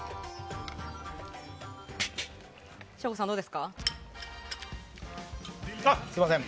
省吾さん、どうですか？